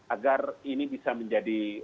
agar ini bisa menjadi